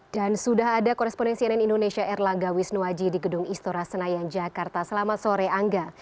dan sudah ada koresponensi nen indonesia erlangga wisnuwaji di gedung istora senayan jakarta selama sore angga